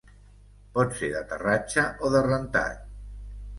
Pot ser d'aterratge o de rentat.